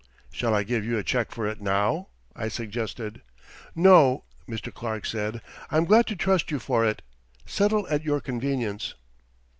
"Shall I give you a check for it now?" I suggested. "No," Mr. Clark said, "I'm glad to trust you for it; settle at your convenience."